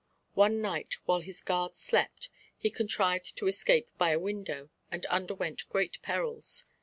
One night, while his guards slept, he contrived to escape by a window, and underwent great perils.